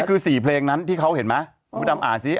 คือ๔เพลงนั้นที่เขาเห็นไหมคุณดำอ่านซิ